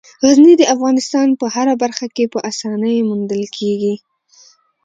غزني د افغانستان په هره برخه کې په اسانۍ موندل کېږي.